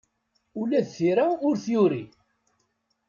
Ula d tira ur t-yuri.